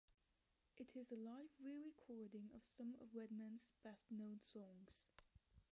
It is a live re-recording of some of Redman's best known songs.